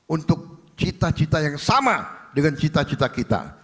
untuk cita cita yang sama dengan cita cita kita